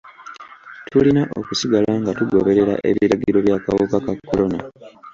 Tulina okusigala nga tugoberera ebiragiro by'akawuka ka kolona.